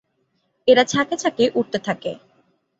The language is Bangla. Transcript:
এরা ঝাঁকে ঝাঁকে উড়তে থাকে।